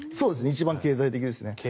一番経済的ですね。